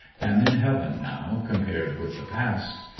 Am in heaven now compared with the past.